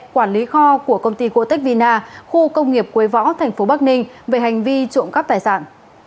quản lý kho của công ty gotec vina khu công nghiệp quế võ tp bắc ninh về hành vi trộm cắp tài sản